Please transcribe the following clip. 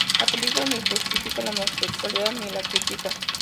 La película ni justifica la homosexualidad ni la crítica.